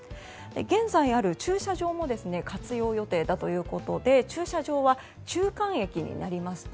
現在ある駐車場も活用予定だということで駐車場は中間駅になりまして